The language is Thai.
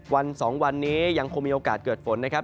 วัน๒วันนี้ยังคงมีโอกาสเกิดฝนนะครับ